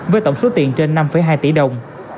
với tổng số tiền trên năm hai tỷ đồng